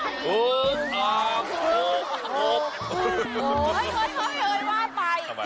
เฮ่ยเฮ่ยว่าไป